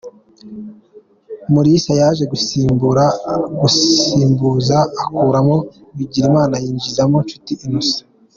Mulisa yaje gusimbuza akuramo Bigirimana yinjiza Nshuti Innocent.